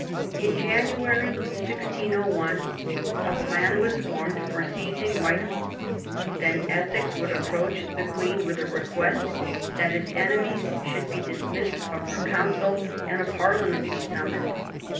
In January, 1601, a plan was formed for seizing White hall ; then Essex would approach the Queen with a request that his enemies should be dismissed from her Council, and a Parliament be summoned.